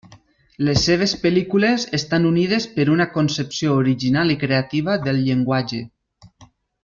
Les seves pel·lícules estan unides per una concepció original i creativa del llenguatge.